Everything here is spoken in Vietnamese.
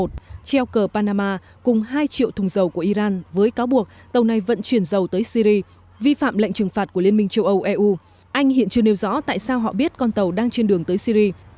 trèo cờ panama cùng hai triệu thùng dầu của iran với cáo buộc tàu này vận chuyển dầu tới syria vi phạm lệnh trừng phạt của liên minh châu âu anh hình chưa nêu rõ tại sao họ biết con tàu đang trên đường tới syria